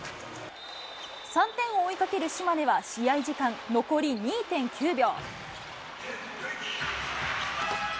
３点を追いかける島根は、試合時間残り２．９秒。